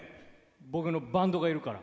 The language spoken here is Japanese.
僕のバンドがいるから。